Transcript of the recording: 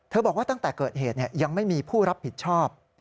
บอกว่าตั้งแต่เกิดเหตุยังไม่มีผู้รับผิดชอบ